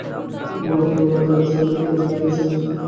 তিনি মাত্র নয় রানে সাত উইকেট নিয়েছিলেন।